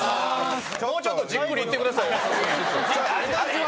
もうちょっとじっくりいってくださいよ１組ずつ。